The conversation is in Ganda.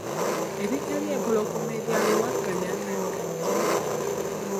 Erinnya ly’Empologoma erya Luwaga lyatandika litya?